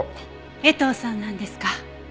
江藤さんなんですか？